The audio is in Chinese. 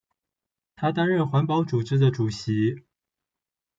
他担任环保组织的主席。